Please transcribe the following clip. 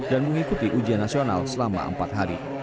dan mengikuti ujian nasional selama empat hari